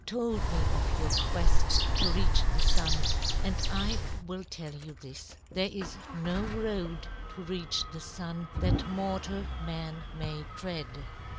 You told me of your quest to reach the Sun, and I will tell you this. There is no road to reach the Sun that mortal man may tread.